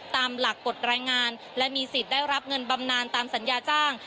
ตามหลักกฎรายงานและมีสิทธิ์ได้รับเงินบำนานตามสัญญาจ้าง